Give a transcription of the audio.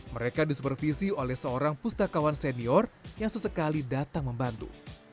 mereka disupervisi oleh seorang pustakawan senior yang sesekali datang membantu